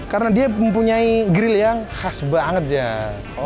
karena dia mempunyai grill yang khas banget jar